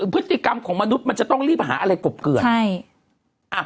พฤติกรรมของมนุษย์มันจะต้องรีบหาอะไรกบเกือนใช่